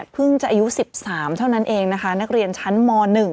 เพิ่งจะอายุ๑๓เท่านั้นเองนะคะนักเรียนชั้นม๑